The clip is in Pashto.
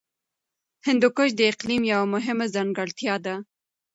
هندوکش د اقلیم یوه مهمه ځانګړتیا ده.